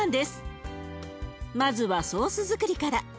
まずはソースづくりから。